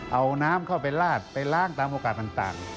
เอาน้ำเข้าไปลาดไปล้างตามโอกาสต่าง